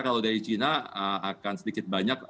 kalau dari cina akan sedikit banyak